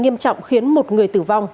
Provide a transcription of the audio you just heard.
nghiêm trọng khiến một người tử vong